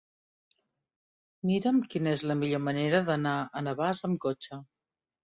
Mira'm quina és la millor manera d'anar a Navàs amb cotxe.